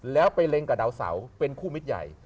แล้วไปเล็งกับดาวเสาเป็นคู่มิตรใหญ่